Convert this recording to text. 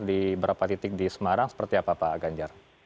di berapa titik di semarang seperti apa pak ganjar